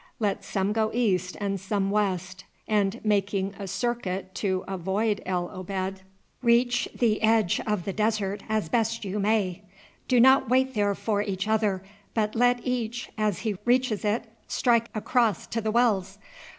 Let some go east and some west, and making a circuit to avoid El Obeid reach the edge of the desert as best you may. Do not wait there for each other, but let each as he reaches it strike across to the wells.